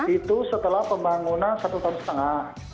itu setelah pembangunan satu tahun setengah